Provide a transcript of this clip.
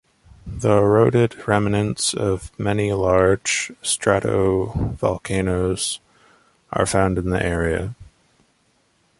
The eroded remnants of many large stratovolcanoes are found in the area.